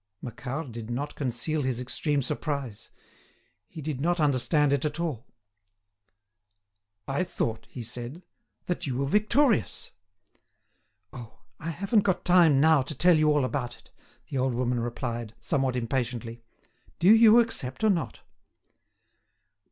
Macquart did not conceal his extreme surprise. He did not understand it at all. "I thought," he said, "that you were victorious." "Oh! I haven't got time now to tell you all about it," the old woman replied, somewhat impatiently. "Do you accept or not?"